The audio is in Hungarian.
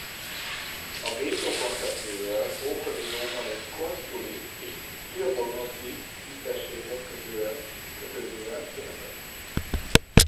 A vétó koncepciója az ókori Róma consuli és tribunusi tisztségeihez kötődően született.